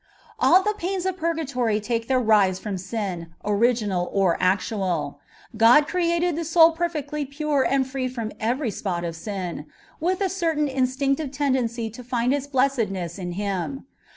All the pains of purgatory take their rise from sin, originai or actual. God created the soni perfectly pure and free from every spot of sin, with a certain instinctive tendency to find its blessedness in Him.